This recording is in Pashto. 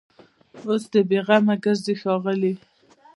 اوس دي بېغمه ګرځي ښاغلي